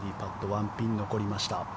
１ピン残りました。